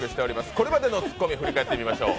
これまでのツッコミを振り返ってみましょう。